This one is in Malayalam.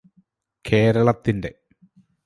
കേരളത്തിന്റെ